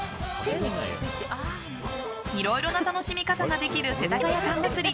いろいろな楽しみ方ができる世田谷パン祭り。